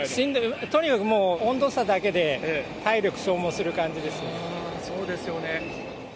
とにかくもう、温度差だけで体力消耗する感じですよね。